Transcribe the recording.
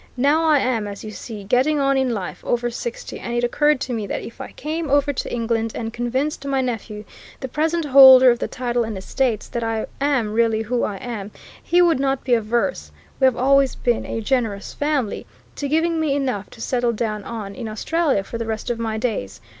Now, I am, as you see, getting on in life, over sixty and it occurred to me that if I came over to England and convinced my nephew, the present holder of the title and estates, that I am really who I am, he would not be averse we have always been a generous family to giving me enough to settle down on in Australia for the rest of my days.